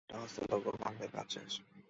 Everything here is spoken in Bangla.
আমরা এটা হস্তান্তর করবো, আমাদের কাজ শেষ।